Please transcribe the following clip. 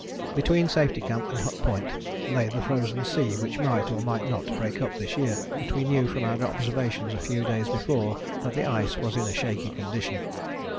Between Safety Camp and Hut Point lay the frozen sea, which might or might not break up this year, but we knew from our observations a few days before that the ice was in a shaky condition.